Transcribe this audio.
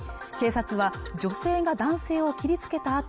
警察は女性が男性を切りつけた